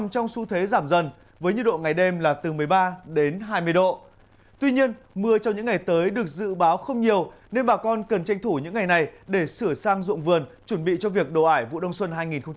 trời sẽ giảm dần với nhiệt độ ngày đêm là từ một mươi ba đến hai mươi độ tuy nhiên mưa trong những ngày tới được dự báo không nhiều nên bà con cần tranh thủ những ngày này để sửa sang dụng vườn chuẩn bị cho việc đồ ải vụ đông xuân hai nghìn một mươi năm hai nghìn một mươi sáu